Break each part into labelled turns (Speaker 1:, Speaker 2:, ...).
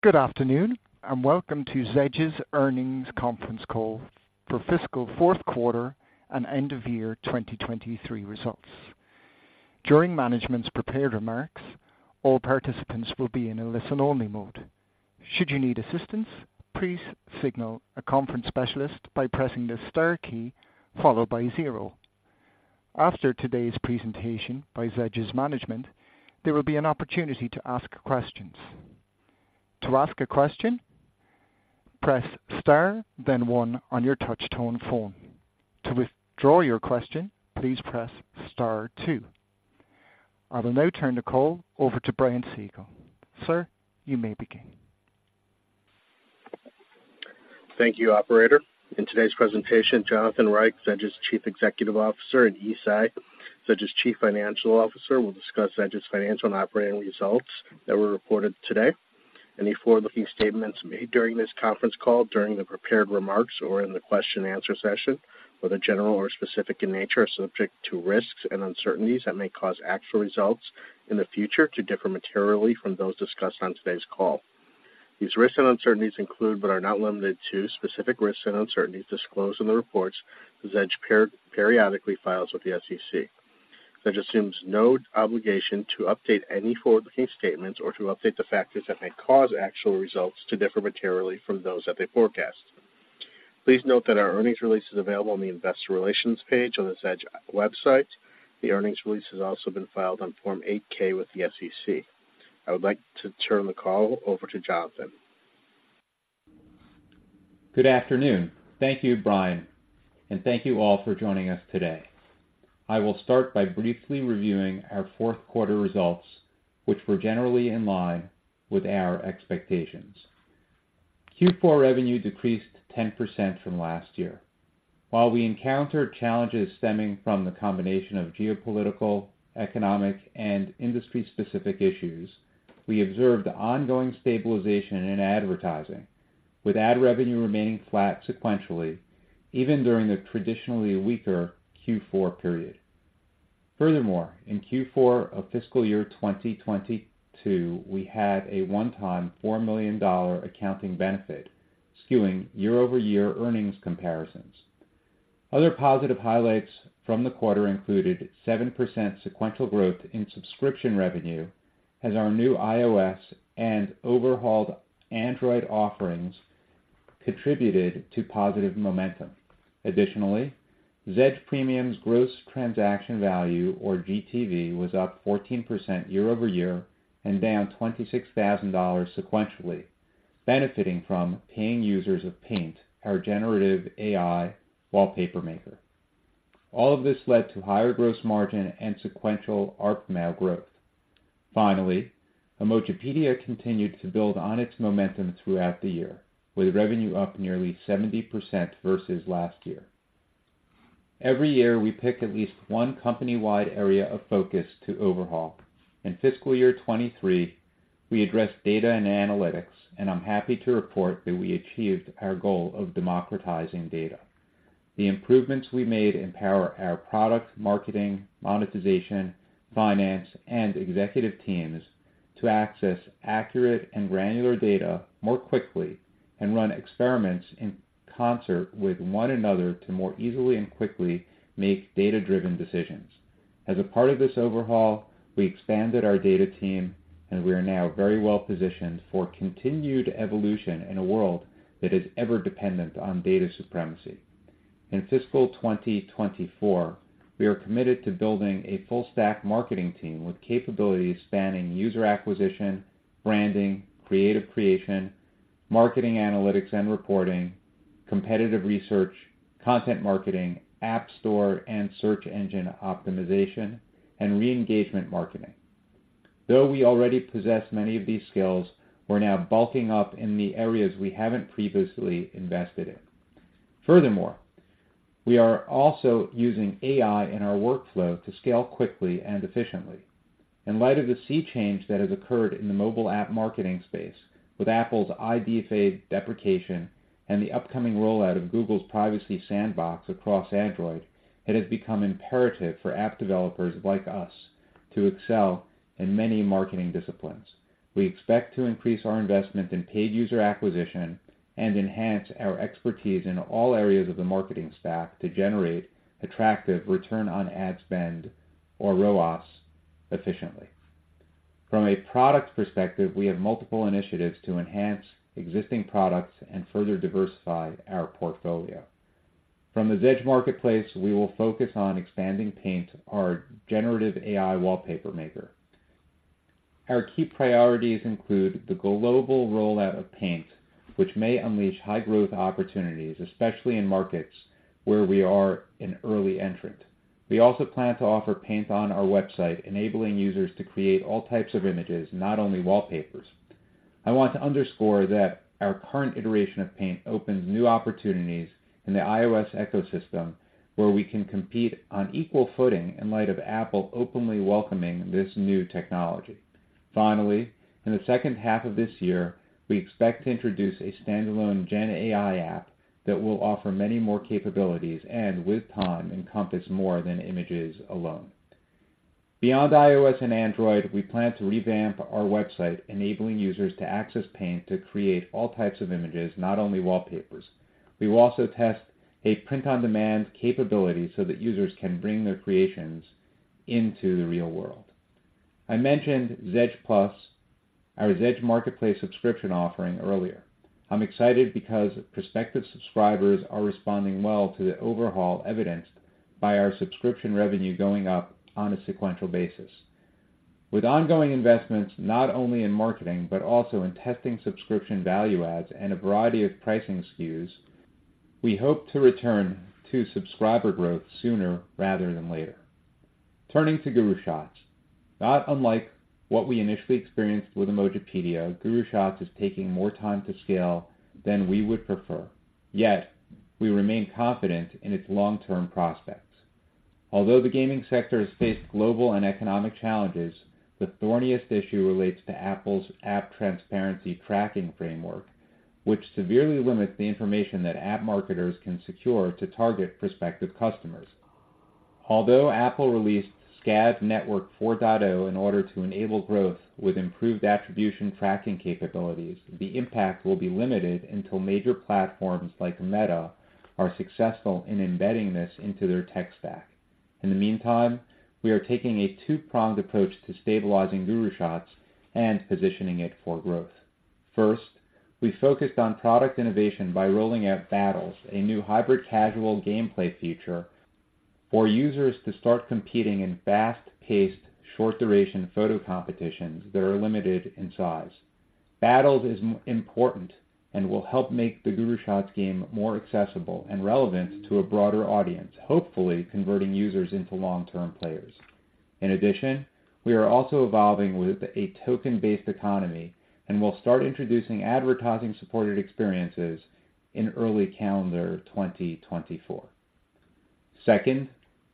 Speaker 1: Good afternoon, and welcome to Zedge's Earnings Conference Call for fiscal fourth quarter and end of year 2023 results. During management's prepared remarks, all participants will be in a listen-only mode. Should you need assistance, please signal a conference specialist by pressing the Star key followed by zero. After today's presentation by Zedge's management, there will be an opportunity to ask questions. To ask a question, press Star, then One on your touchtone phone. To withdraw your question, please press Star Two. I will now turn the call over to Brian Siegel. Sir, you may begin.
Speaker 2: Thank you, operator. In today's presentation, Jonathan Reich, Zedge's Chief Executive Officer, and Yi Tsai, Zedge's Chief Financial Officer, will discuss Zedge's financial and operating results that were reported today. Any forward-looking statements made during this conference call, during the prepared remarks or in the question and answer session, whether general or specific in nature, are subject to risks and uncertainties that may cause actual results in the future to differ materially from those discussed on today's call. These risks and uncertainties include, but are not limited to, specific risks and uncertainties disclosed in the reports Zedge periodically files with the SEC. Zedge assumes no obligation to update any forward-looking statements or to update the factors that may cause actual results to differ materially from those that they forecast. Please note that our earnings release is available on the Investor Relations page on the Zedge website. The earnings release has also been filed on Form 8-K with the SEC. I would like to turn the call over to Jonathan.
Speaker 3: Good afternoon. Thank you, Brian, and thank you all for joining us today. I will start by briefly reviewing our fourth quarter results, which were generally in line with our expectations. Q4 revenue decreased 10% from last year. While we encountered challenges stemming from the combination of geopolitical, economic, and industry-specific issues, we observed ongoing stabilization in advertising, with ad revenue remaining flat sequentially, even during the traditionally weaker Q4 period. Furthermore, in Q4 of fiscal year 2022, we had a one-time $4 million accounting benefit, skewing year-over-year earnings comparisons. Other positive highlights from the quarter included 7% sequential growth in subscription revenue as our new iOS and overhauled Android offerings contributed to positive momentum. Additionally, Zedge Premium's gross transaction value, or GTV, was up 14% year-over-year and down $26,000 sequentially, benefiting from pAInt users of pAInt, our generative AI wallpaper maker. All of this led to higher gross margin and sequential ARPMAU growth. Finally, Emojipedia continued to build on its momentum throughout the year, with revenue up nearly 70% versus last year. Every year, we pick at least one company-wide area of focus to overhaul. In fiscal year 2023, we addressed data and analytics, and I'm happy to report that we achieved our goal of democratizing data. The improvements we made empower our product, marketing, monetization, finance, and executive teams to access accurate and granular data more quickly and run experiments in concert with one another to more easily and quickly make data-driven decisions. As a part of this overhaul, we expanded our data team and we are now very well positioned for continued evolution in a world that is ever dependent on data supremacy. In fiscal 2024, we are committed to building a full stack marketing team with capabilities spanning user acquisition, branding, creative creation, marketing, analytics and reporting, competitive research, content marketing, app store and search engine optimization, and re-engagement marketing. Though we already possess many of these skills, we're now bulking up in the areas we haven't previously invested in. Furthermore, we are also using AI in our workflow to scale quickly and efficiently. In light of the sea change that has occurred in the mobile app marketing space, with Apple's IDFA deprecation and the upcoming rollout of Google's Privacy Sandbox across Android, it has become imperative for app developers like us to excel in many marketing disciplines. We expect to increase our investment in paid user acquisition and enhance our expertise in all areas of the marketing stack to generate attractive return on ad spend, or ROAS, efficiently. From a product perspective, we have multiple initiatives to enhance existing products and further diversify our portfolio. From the Zedge Marketplace, we will focus on expanding paying, our generative AI wallpaper maker. Our key priorities include the global rollout of paying, which may unleash high-growth opportunities, especially in markets where we are an early entrant. We also plan to offer paying on our website, enabling users to create all types of images, not only wallpapers. I want to underscore that our current iteration of paying opens new opportunities in the iOS ecosystem, where we can compete on equal footing in light of Apple openly welcoming this new technology. Finally, in the second half of this year, we expect to introduce a standalone Gen AI app that will offer many more capabilities and with time, encompass more than images alone. Beyond iOS and Android, we plan to revamp our website, enabling users to access paying to create all types of images, not only wallpapers. We will also test a print-on-demand capability so that users can bring their creations into the real world. I mentioned Zedge+, our Zedge Marketplace subscription offering earlier. I'm excited because prospective subscribers are responding well to the overhaul, evidenced by our subscription revenue going up on a sequential basis. With ongoing investments, not only in marketing, but also in testing subscription value adds and a variety of pricing SKUs, we hope to return to subscriber growth sooner rather than later. Turning to GuruShots. Not unlike what we initially experienced with Emojipedia, GuruShots is taking more time to scale than we would prefer, yet we remain confident in its long-term prospects. Although the gaming sector has faced global and economic challenges, the thorniest issue relates to Apple's App Tracking Transparency framework, which severely limits the information that app marketers can secure to target prospective customers. Although Apple released SKAdNetwork 4.0 in order to enable growth with improved attribution tracking capabilities, the impact will be limited until major platforms like Meta are successful in embedding this into their tech stack. In the meantime, we are taking a two-pronged approach to stabilizing GuruShots and positioning it for growth. First, we focused on product innovation by rolling out Battles, a new hybrid casual gameplay feature for users to start competing in fast-paced, short-duration photo competitions that are limited in size. Battles is important and will help make the GuruShots game more accessible and relevant to a broader audience, hopefully converting users into long-term players. In addition, we are also evolving with a token-based economy, and we'll start introducing advertising-supported experiences in early calendar 2024. Second,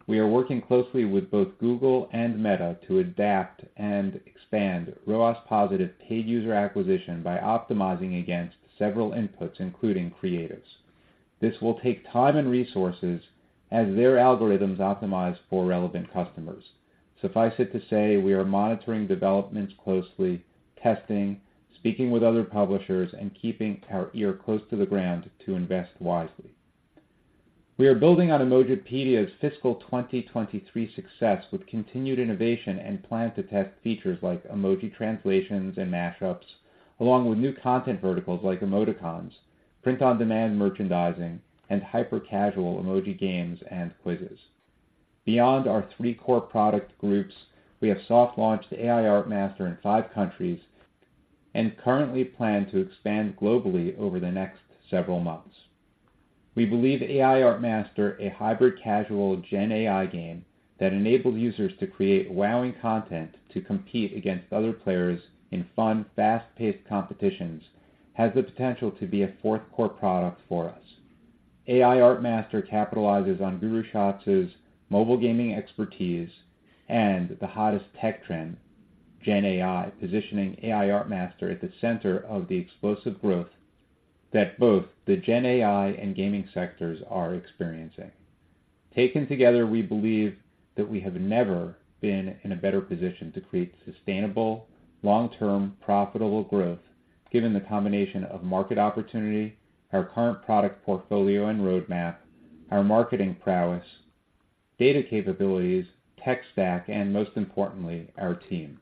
Speaker 3: we are working closely with both Google and Meta to adapt and expand ROAS-positive paid user acquisition by optimizing against several inputs, including creatives. This will take time and resources as their algorithms optimize for relevant customers. Suffice it to say, we are monitoring developments closely, testing, speaking with other publishers, and keeping our ear close to the ground to invest wisely. We are building on Emojipedia's fiscal 2023 success with continued innovation and plan to test features like emoji translations and mashups, along with new content verticals like emoticons, print-on-demand merchandising, and hyper-casual emoji games and quizzes. Beyond our three core product groups, we have soft launched AI Art Master in five countries, and currently plan to expand globally over the next several months. We believe AI Art Master, a hybrid casual Gen AI game that enables users to create wowing content to compete against other players in fun, fast-paced competitions, has the potential to be a fourth core product for us. AI Art Master capitalizes on GuruShots' mobile gaming expertise and the hottest tech trend, Gen AI, positioning AI Art Master at the center of the explosive growth that both the Gen AI and gaming sectors are experiencing. Taken together, we believe that we have never been in a better position to create sustainable, long-term, profitable growth, given the combination of market opportunity, our current product portfolio and roadmap, our marketing prowess, data capabilities, tech stack, and most importantly, our team.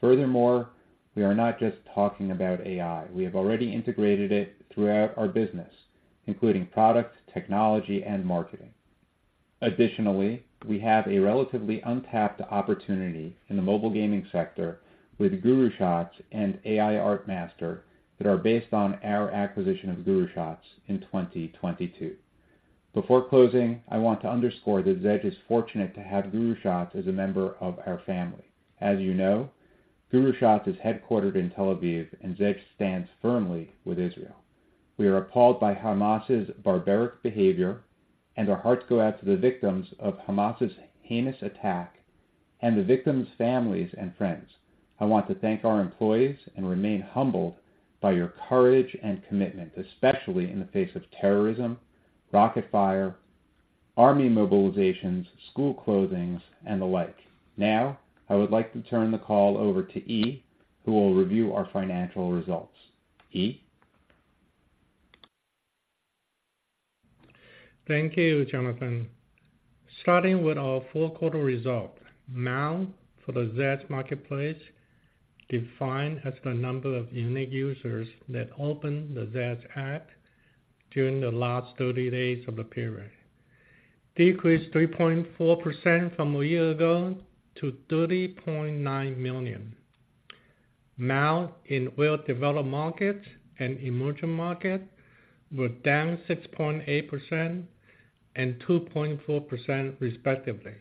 Speaker 3: Furthermore, we are not just talking about AI. We have already integrated it throughout our business, including product, technology, and marketing. Additionally, we have a relatively untapped opportunity in the mobile gaming sector with GuruShots and AI Art Master that are based on our acquisition of GuruShots in 2022. Before closing, I want to underscore that Zedge is fortunate to have GuruShots as a member of our family. As you know, GuruShots is headquartered in Tel Aviv, and Zedge stands firmly with Israel. We are appalled by Hamas' barbaric behavior, and our hearts go out to the victims of Hamas' heinous attack and the victims' families and friends. I want to thank our employees and remain humbled by your courage and commitment, especially in the face of terrorism, rocket fire, army mobilizations, school closings, and the like. Now, I would like to turn the call over to Yi, who will review our financial results. Yi?
Speaker 4: Thank you, Jonathan. Starting with our full quarter results. MAU for the Zedge Marketplace, defined as the number of unique users that opened the Zedge app during the last 30 days of the period, decreased 3.4% from a year ago to 30.9 million. MAU in well-developed markets and emerging markets were down 6.8% and 2.4%, respectively.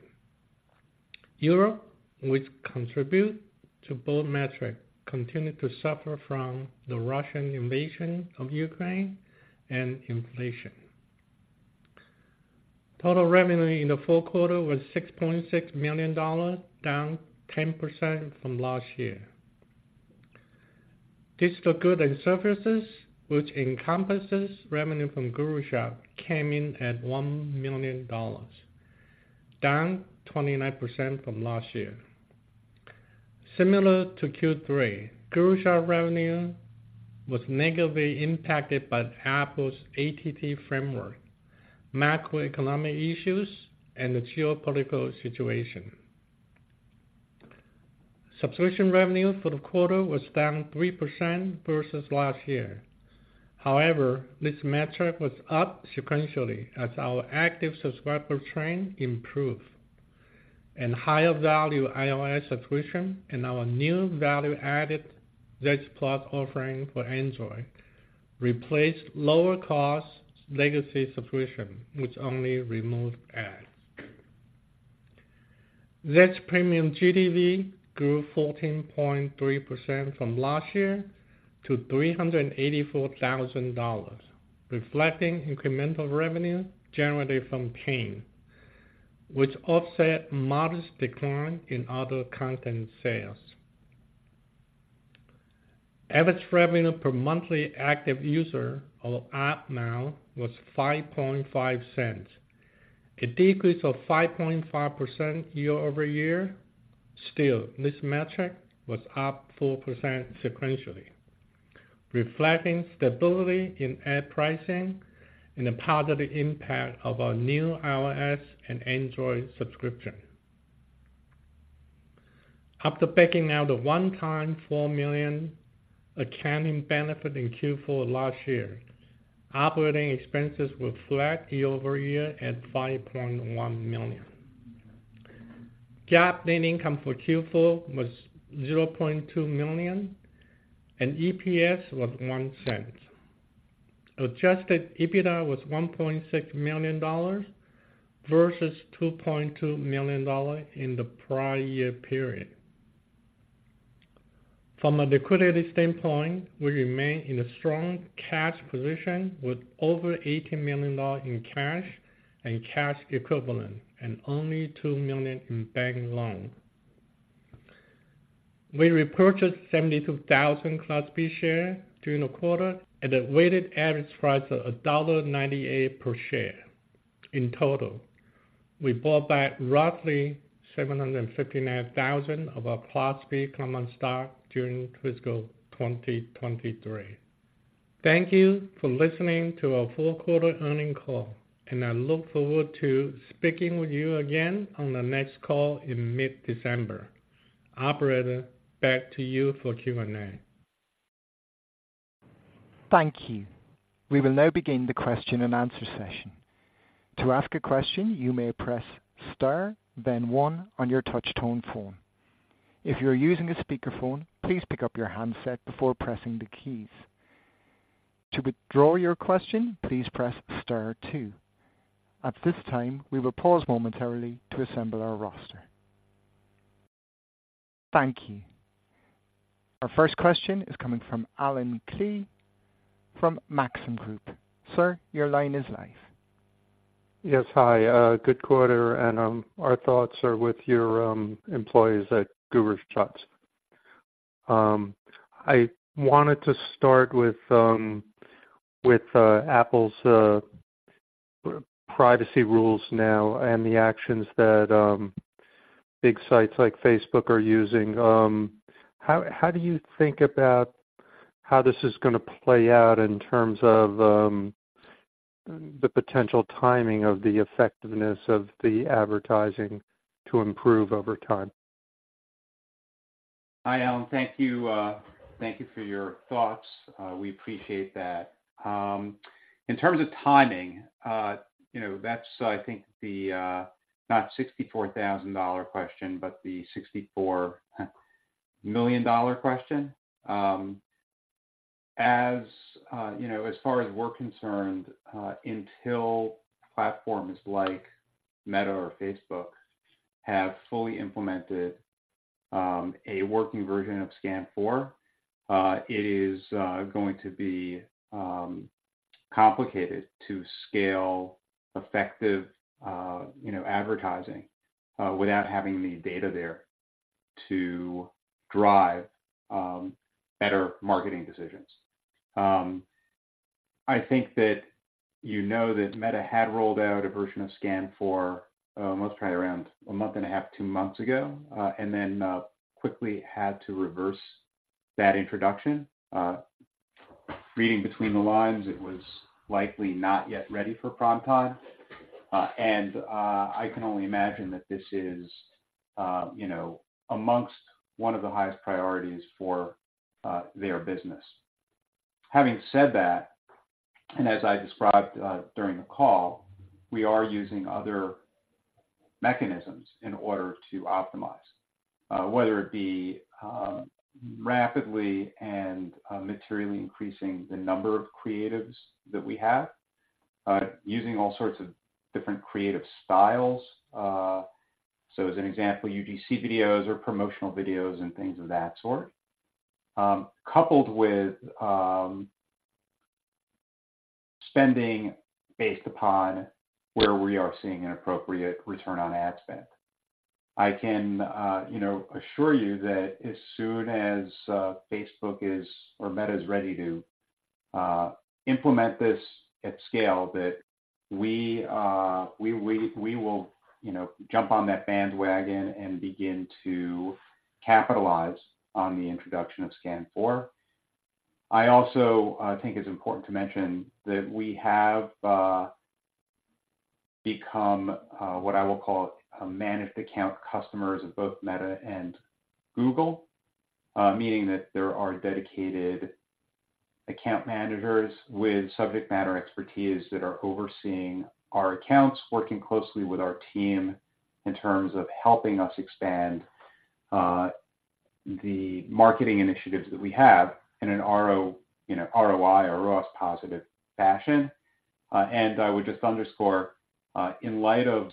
Speaker 4: Europe, which contributes to both metrics, continued to suffer from the Russian invasion of Ukraine and inflation. Total revenue in the full quarter was $6.6 million, down 10% from last year. Digital goods and services, which encompasses revenue from GuruShots, came in at $1 million, down 29% from last year. Similar to Q3, GuruShots revenue was negatively impacted by Apple's ATT framework, macroeconomic issues, and the geopolitical situation. Subscription revenue for the quarter was down 3% versus last year. However, this metric was up sequentially as our active subscriber trend improved, and higher value iOS subscription and our new value-added Zedge+ offering for Android replaced lower cost legacy subscription, which only removed ads. Zedge Premium GTV grew 14.3% from last year to $384,000, reflecting incremental revenue generated from paying, which offset modest decline in other content sales. Average revenue per monthly active user or ARPMAU was $0.055, a decrease of 5.5% year-over-year. Still, this metric was up 4% sequentially, reflecting stability in ad pricing and a positive impact of our new iOS and Android subscription. After backing out the one-time $4 million accounting benefit in Q4 last year, operating expenses were flat year-over-year at $5.1 million. GAAP net income for Q4 was $0.2 million, and EPS was $0.01. Adjusted EBITDA was $1.6 million versus $2.2 million in the prior year period. From a liquidity standpoint, we remain in a strong cash position with over $80 million in cash and cash equivalents and only $2 million in bank loans. We repurchased 72,000 Class B shares during the quarter at a weighted average price of $1.98 per share. In total, we bought back roughly 759,000 of our Class B common stock during fiscal 2023. Thank you for listening to our fourth quarter earnings call, and I look forward to speaking with you again on the next call in mid-December. Operator, back to you for Q&A.
Speaker 1: Thank you. We will now begin the question-and-answer session. To ask a question, you may press star then one on your touch tone phone. If you're using a speakerphone, please pick up your handset before pressing the keys. To withdraw your question, please press star two. At this time, we will pause momentarily to assemble our roster. Thank you. Our first question is coming from Allen Klee from Maxim Group. Sir, your line is live.
Speaker 5: Yes, hi. Good quarter, and our thoughts are with your employees at GuruShots. I wanted to start with Apple's privacy rules now and the actions that big sites like Facebook are using. How do you think about how this is gonna play out in terms of the potential timing of the effectiveness of the advertising to improve over time?
Speaker 3: Hi, Allen. Thank you. Thank you for your thoughts. We appreciate that. In terms of timing, you know, that's I think the, not $64,000 question, but the $64 million question. As you know, as far as we're concerned, until platforms like Meta or Facebook have fully implemented a working version of SKAdNetwork 4, it is going to be complicated to scale effective, you know, advertising, without having the data there to drive, you know, better marketing decisions. I think that you know that Meta had rolled out a version of SKAdNetwork 4, let's try around a month and a half, two months ago, and then quickly had to reverse that introduction. Reading between the lines, it was likely not yet ready for prime time. I can only imagine that this is, you know, amongst one of the highest priorities for their business. Having said that, as I described during the call, we are using other mechanisms in order to optimize, whether it be rapidly and materially increasing the number of creatives that we have, using all sorts of different creative styles. As an example, UGC videos or promotional videos and things of that sort, coupled with spending based upon where we are seeing an appropriate return on ad spend. I can, you know, assure you that as soon as Facebook or Meta is ready to implement this at scale, we will, you know, jump on that bandwagon and begin to capitalize on the introduction of SKAN 4. I also think it's important to mention that we have become what I will call a managed account customers of both Meta and Google, meaning that there are dedicated account managers with subject matter expertise that are overseeing our accounts, working closely with our team in terms of helping us expand the marketing initiatives that we have in an RO, you know, ROI or ROAS positive fashion. And I would just underscore, in light of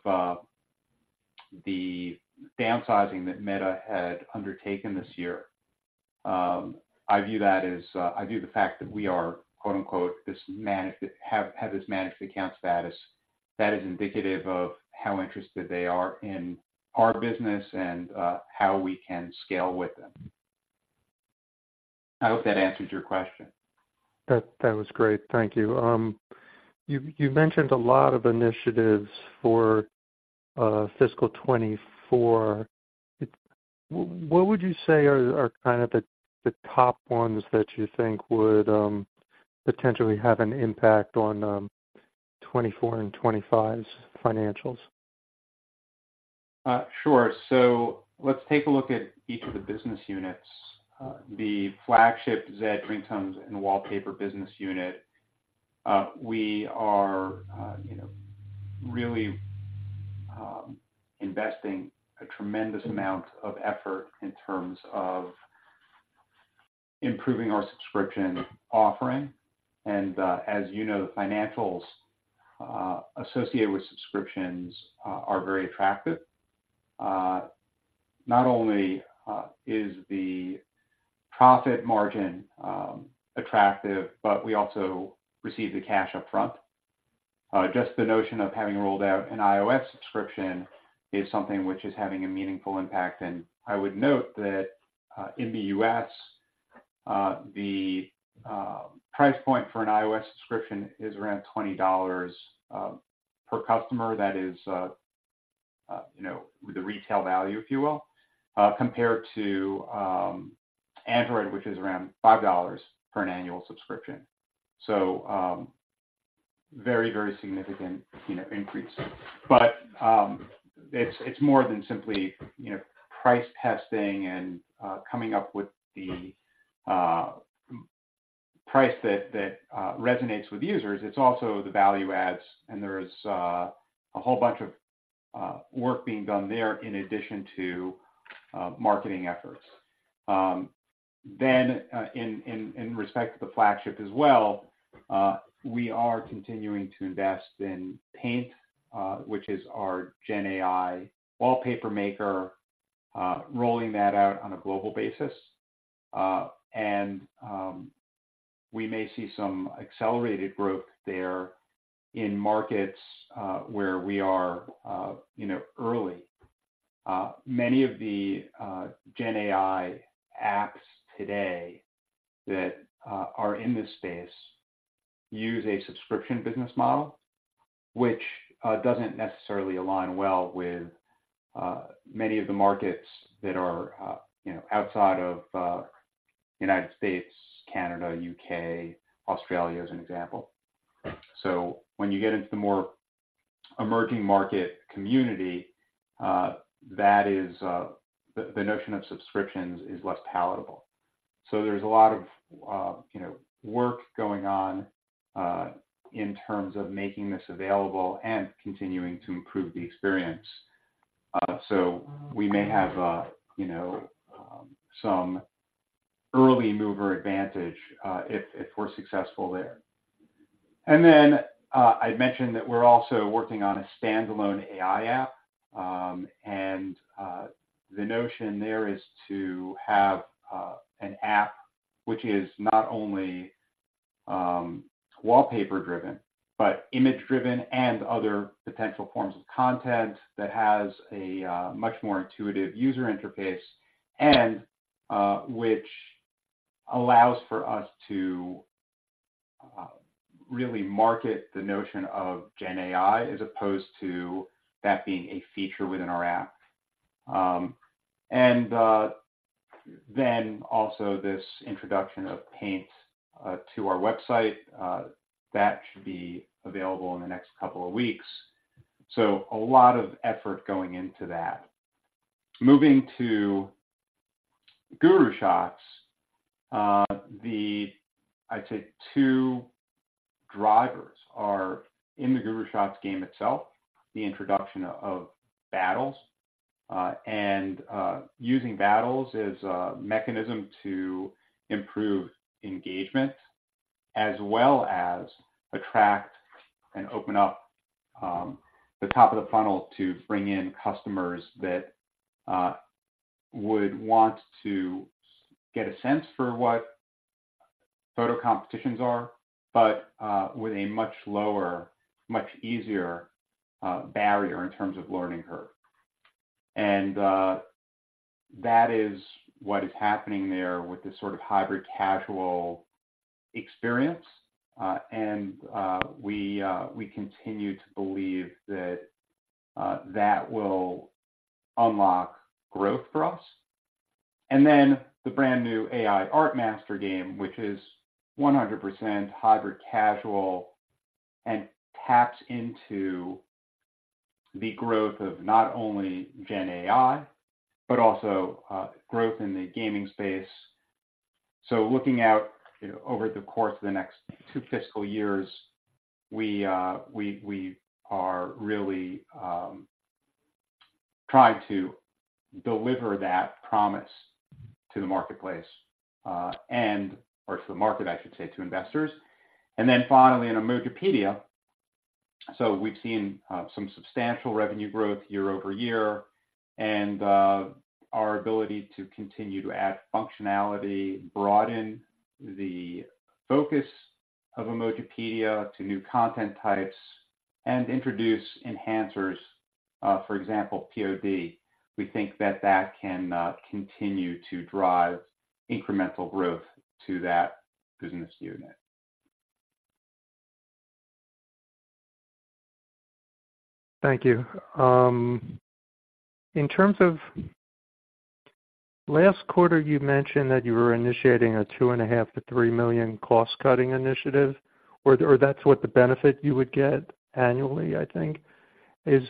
Speaker 3: the downsizing that Meta had undertaken this year, I view that as, I view the fact that we are, quote-unquote, "this managed--", have, have this managed account status, that is indicative of how interested they are in our business and how we can scale with them. I hope that answers your question.
Speaker 5: That, that was great. Thank you. You mentioned a lot of initiatives for fiscal 2024. What would you say are kind of the top ones that you think would potentially have an impact on 2024 and 2025's financials?
Speaker 3: Sure. So let's take a look at each of the business units. The flagship Zedge ringtones and wallpaper business unit, we are, you know, really, investing a tremendous amount of effort in terms of improving our subscription offering. And, as you know, the financials associated with subscriptions are very attractive. Not only is the profit margin attractive, but we also receive the cash upfront. Just the notion of having rolled out an iOS subscription is something which is having a meaningful impact, and I would note that, in the U.S., the price point for an iOS subscription is around $20 per customer. That is, you know, the retail value, if you will, compared to Android, which is around $5 for an annual subscription. So, very, very significant, you know, increase. But, it's more than simply, you know, price testing and coming up with the price that resonates with users. It's also the value adds, and there's a whole bunch of work being done there in addition to marketing efforts. Then, in respect to the flagship as well, we are continuing to invest in paying, which is our Gen AI wallpaper maker, rolling that out on a global basis. And, we may see some accelerated growth there in markets where we are, you know, early. Many of the Gen AI apps today that are in this space use a subscription business model, which doesn't necessarily align well with many of the markets that are, you know, outside of United States, Canada, U.K., Australia, as an example. So when you get into the more emerging market community, that is, the notion of subscriptions is less palatable. So there's a lot of, you know, work going on in terms of making this available and continuing to improve the experience. So we may have, you know, some early mover advantage if we're successful there. And then, I'd mentioned that we're also working on a standalone AI app. The notion there is to have an app which is not only wallpaper driven, but image driven and other potential forms of content that has a much more intuitive user interface and which allows for us to really market the notion of Gen AI as opposed to that being a feature within our app. Then also this introduction of paying to our website, that should be available in the next couple of weeks. A lot of effort going into that. Moving to GuruShots, I'd say two drivers are in the GuruShots game itself, the introduction of battles, and using battles as a mechanism to improve engagement as well as attract- and open up the top of the funnel to bring in customers that would want to get a sense for what photo competitions are, but with a much lower, much easier barrier in terms of learning curve. And that is what is happening there with this sort of hybrid casual experience. And we continue to believe that that will unlock growth for us. And then the brand new AI Art Master game, which is 100% hybrid casual and taps into the growth of not only Gen AI, but also growth in the gaming space. So looking out, you know, over the course of the next two fiscal years, we are really trying to deliver that promise to the marketplace, and or to the market, I should say, to investors. Then finally, in Emojipedia. We've seen some substantial revenue growth year-over-year, and our ability to continue to add functionality, broaden the focus of Emojipedia to new content types and introduce enhancers, for example, POD. We think that that can continue to drive incremental growth to that business unit.
Speaker 5: Thank you. In terms of... Last quarter, you mentioned that you were initiating a $2.5 million-$3 million cost-cutting initiative, or, or that's what the benefit you would get annually, I think. Has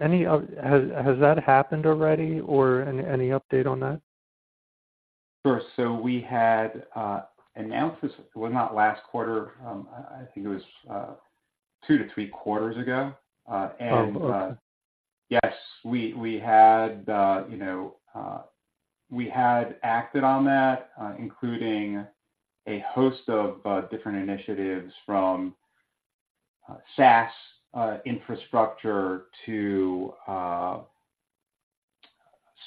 Speaker 5: that happened already or any update on that?
Speaker 3: Sure. So we had announced this, well, not last quarter, I think it was two to three quarters ago.
Speaker 5: Okay.
Speaker 3: Yes, we had, you know, we had acted on that, including a host of different initiatives from SaaS infrastructure to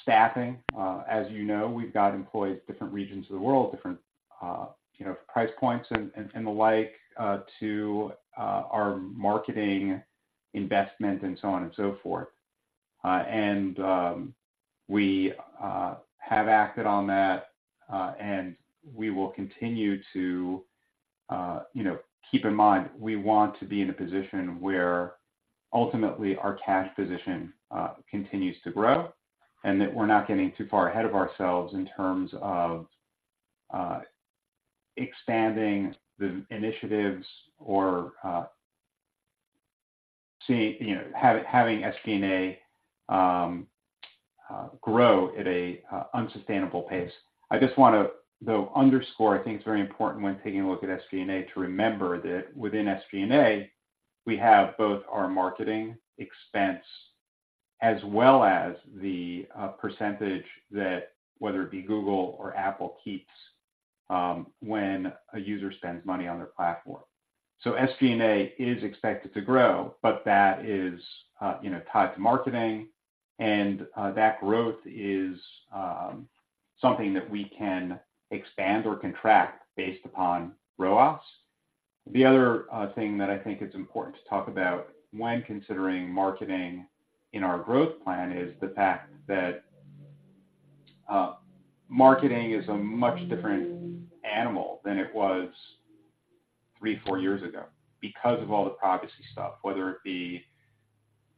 Speaker 3: staffing. As you know, we've got employees in different regions of the world, different, you know, price points and the like, to our marketing investment and so on and so forth. We have acted on that, and we will continue to, you know... Keep in mind, we want to be in a position where ultimately our cash position continues to grow, and that we're not getting too far ahead of ourselves in terms of expanding the initiatives or, you know, having SG&A grow at an unsustainable pace. I just want to, though, underscore. I think it's very important when taking a look at SG&A, to remember that within SG&A, we have both our marketing expense as well as the percentage that, whether it be Google or Apple, keeps, when a user spends money on their platform. So SG&A is expected to grow, but that is, you know, tied to marketing, and that growth is something that we can expand or contract based upon ROAS. The other thing that I think is important to talk about when considering marketing in our growth plan is the fact that marketing is a much different animal than it was three, four years ago because of all the privacy stuff, whether it be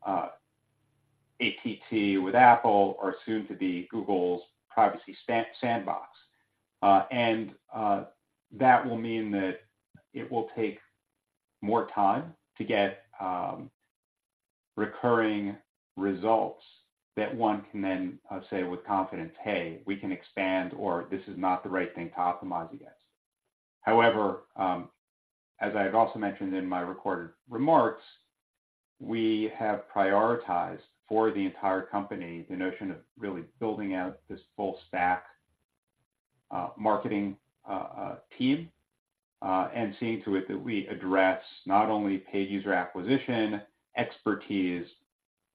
Speaker 3: ATT with Apple or soon to be Google's Privacy Sandbox. That will mean that it will take more time to get recurring results that one can then say with confidence, "Hey, we can expand," or, "This is not the right thing to optimize against." However, as I've also mentioned in my recorded remarks, we have prioritized for the entire company the notion of really building out this full stack marketing team, and seeing to it that we address not only paid user acquisition expertise,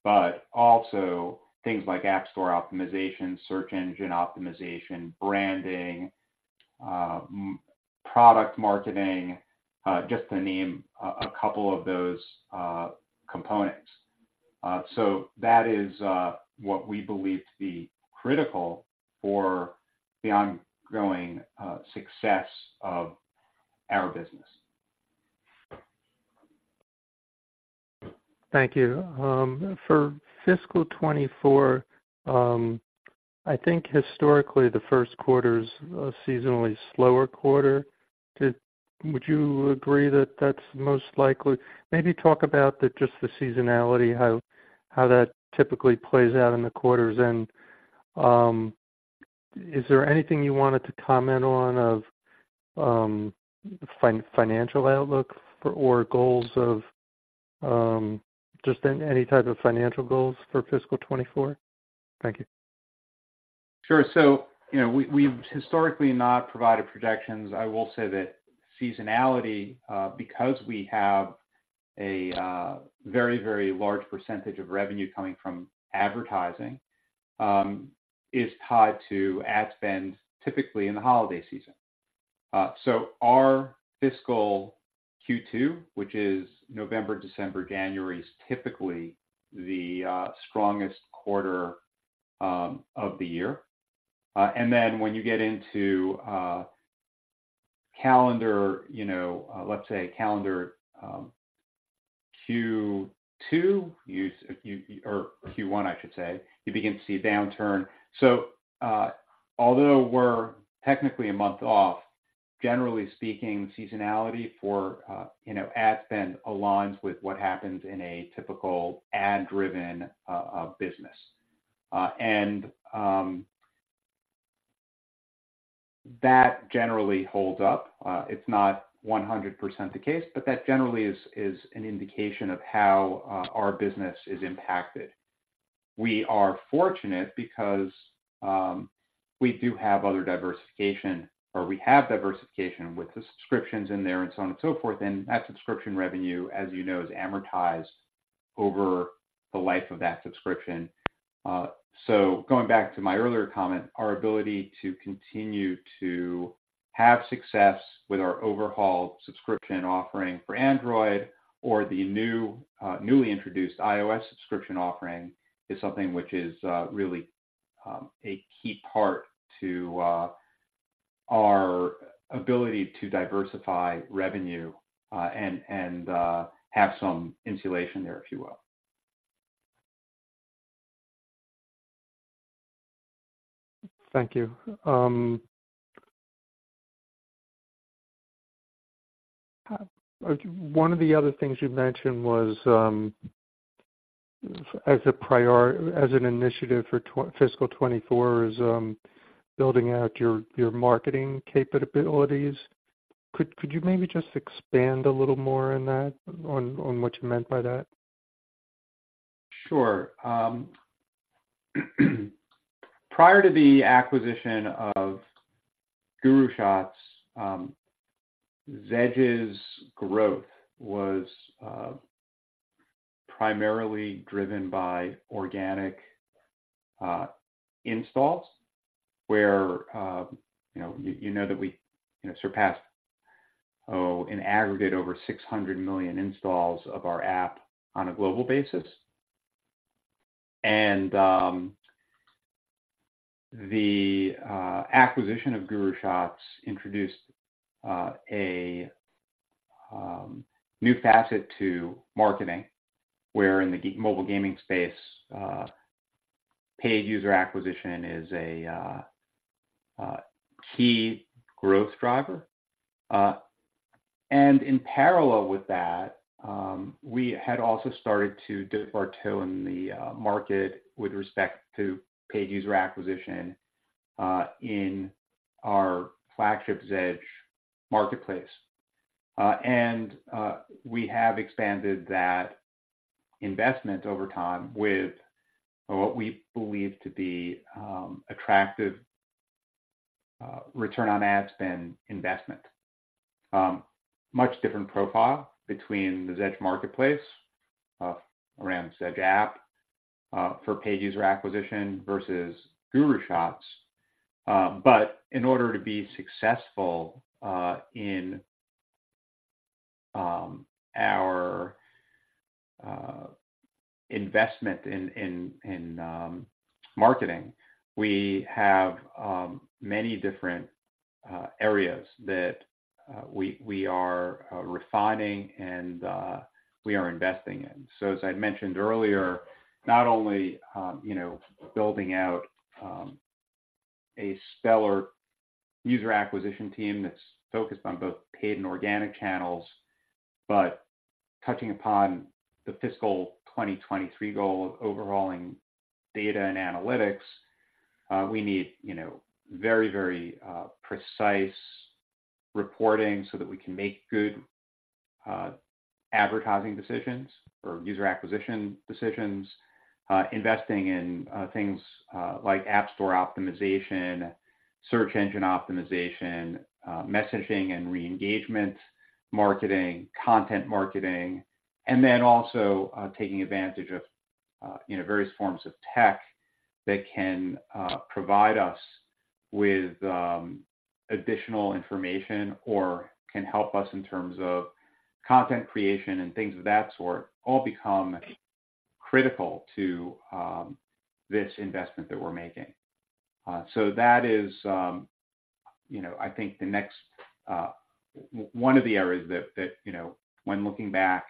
Speaker 3: but also things like app store optimization, search engine optimization, branding, product marketing, just to name a couple of those components. That is what we believe to be critical for the ongoing success of our business.
Speaker 5: Thank you. For fiscal 2024, I think historically, the first quarter's a seasonally slower quarter. Would you agree that that's most likely? Maybe talk about the, just the seasonality, how that typically plays out in the quarters. And, is there anything you wanted to comment on of, financial outlook for or goals of, just any type of financial goals for fiscal 2024? Thank you....
Speaker 3: Sure. So, you know, we, we've historically not provided projections. I will say that seasonality, because we have a very, very large percentage of revenue coming from advertising, is tied to ad spend, typically in the holiday season. So our fiscal Q2, which is November, December, January, is typically the strongest quarter of the year. And then when you get into calendar, you know, let's say calendar Q2, you - or Q1, I should say, you begin to see a downturn. So, although we're technically a month off, generally speaking, seasonality for, you know, ad spend aligns with what happens in a typical ad-driven business. And, that generally holds up. It's not 100% the case, but that generally is an indication of how our business is impacted. We are fortunate because we do have other diversification, or we have diversification with the subscriptions in there and so on and so forth. That subscription revenue, as you know, is amortized over the life of that subscription. Going back to my earlier comment, our ability to continue to have success with our overhauled subscription offering for Android or the newly introduced iOS subscription offering is something which is really a key part to our ability to diversify revenue, and have some insulation there, if you will.
Speaker 5: Thank you. One of the other things you mentioned was, as an initiative for fiscal 2024, building out your marketing capabilities. Could you maybe just expand a little more on that, on what you meant by that?
Speaker 3: Sure. Prior to the acquisition of GuruShots, Zedge's growth was primarily driven by organic installs, where you know, you know that we, you know, surpassed, in aggregate, over 600 million installs of our app on a global basis. And the acquisition of GuruShots introduced a new facet to marketing, where in the mobile gaming space, paid user acquisition is a key growth driver. And in parallel with that, we had also started to dip our toe in the market with respect to paid user acquisition in our flagship Zedge Marketplace. And we have expanded that investment over time with what we believe to be attractive return on ad spend investment. Much different profile between the Zedge Marketplace, around Zedge app, for paid user acquisition versus GuruShots. In order to be successful in our investment in marketing, we have many different areas that we are refining and we are investing in. As I mentioned earlier, not only, you know, building out a stellar user acquisition team that's focused on both paid and organic channels, but touching upon the fiscal 2023 goal of overhauling data and analytics, we need, you know, very, very precise reporting so that we can make good advertising decisions or user acquisition decisions. Investing in things like app store optimization, search engine optimization, messaging and re-engagement marketing, content marketing, and then also taking advantage of, you know, various forms of tech that can, you know, provide us with additional information or can help us in terms of content creation and things of that sort, all become critical to, you know, this investment that we're making. That is, you know, I think the next, one of the areas that, you know, when looking back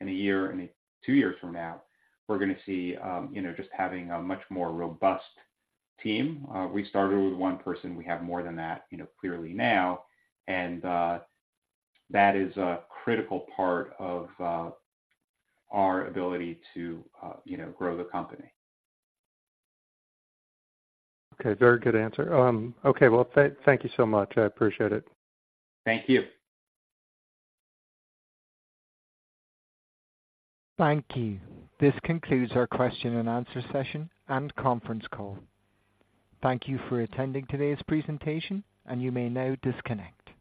Speaker 3: in a year, in two years from now, we're gonna see, you know, just having a much more robust team. We started with one person, we have more than that, you know, clearly now. That is a critical part of, you know, our ability to, you know, grow the company.
Speaker 5: Okay, very good answer. Okay, well, thank you so much. I appreciate it.
Speaker 3: Thank you.
Speaker 1: Thank you. This concludes our question and answer session and conference call. Thank you for attending today's presentation, and you may now disconnect.